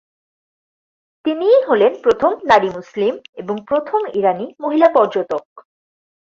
তিনিই হলেন প্রথম নারী মুসলিম, এবং প্রথম ইরানী মহিলা পর্যটক।